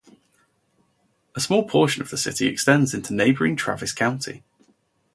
A small portion of the city extends into neighboring Travis County.